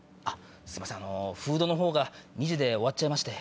すいませんフードのほうが２時で終わっちゃいまして。